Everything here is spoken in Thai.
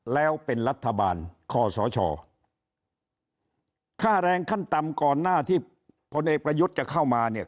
แล้วเป็นรัฐบาลคอสชค่าแรงขั้นต่ำก่อนหน้าที่พลเอกประยุทธ์จะเข้ามาเนี่ย